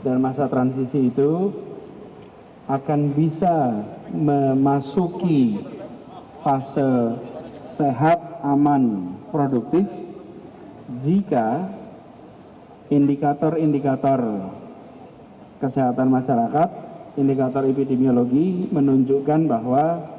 dan masa transisi itu akan bisa memasuki fase sehat aman produktif jika indikator indikator kesehatan masyarakat indikator epidemiologi menunjukkan bahwa